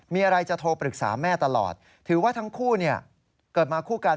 มีอะไรจะโทรปรึกษาแม่ตลอดถือว่าทั้งคู่เกิดมาคู่กัน